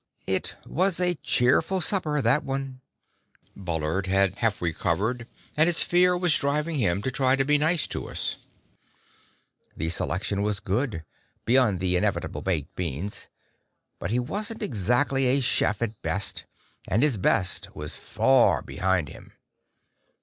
It was a cheerful supper, that one! Bullard had half recovered and his fear was driving him to try to be nice to us. The selection was good, beyond the inevitable baked beans; but he wasn't exactly a chef at best, and his best was far behind him.